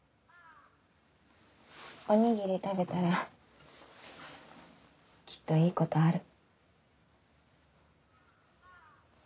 おにぎり食べたらきっといいことある。